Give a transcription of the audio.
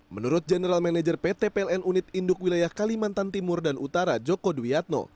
menurut general manager pt pln unit induk wilayah kalimantan timur dan utara joko dwiatno